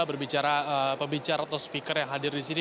berbicara pembicara atau speaker yang hadir di sini